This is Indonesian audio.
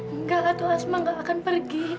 enggak lah tuh asma gak akan pergi